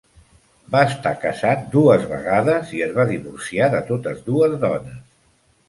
Va estar casat dues vegades i es va divorciar de totes dues dones.